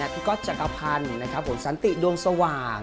ก๊อตจักรพันธ์ผมสันติดวงสว่าง